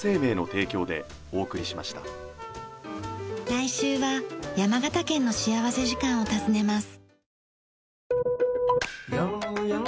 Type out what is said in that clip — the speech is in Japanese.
来週は山形県の幸福時間を訪ねます。